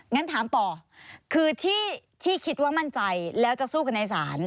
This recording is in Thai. งั้นถามต่อคือที่คิดว่ามั่นใจแล้วจะสู้กันในศาล